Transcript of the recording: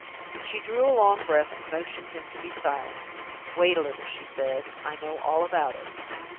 She drew a long breath, and motioned him to be silent. "Wait a little," she said; "I know all about it."